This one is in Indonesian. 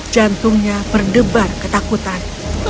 jantungnya berdebar ketakutan